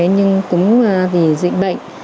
nhưng cũng vì dịch bệnh